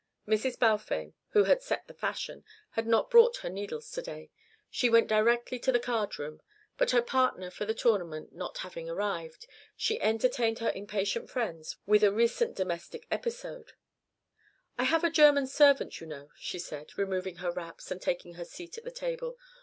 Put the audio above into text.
Mrs. Balfame, who had set the fashion, had not brought her needles to day. She went directly to the card room; but her partner for the tournament not having arrived, she entertained her impatient friends with a recent domestic episode. "I have a German servant, you know," she said, removing her wraps and taking her seat at the table.